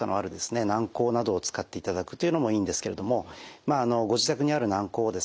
軟こうなどを使っていただくというのもいいんですけれどもご自宅にある軟こうをですね